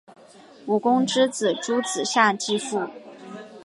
武公之子邾子夏父继位。